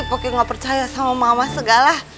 oke gak percaya sama mama segala